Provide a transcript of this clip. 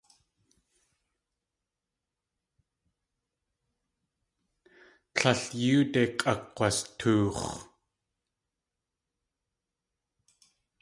Tlél yóode k̲ʼakg̲wastoox̲.